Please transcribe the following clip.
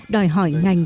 đòi hỏi ngành